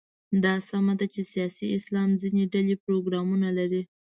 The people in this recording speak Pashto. دا سمه ده چې سیاسي اسلام ځینې ډلې پروګرامونه لري.